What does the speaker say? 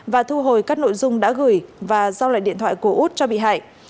và thu hồi các nội dung đã gửi và giao lại điện thoại của út cho bị hại